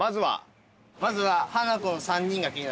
まずは。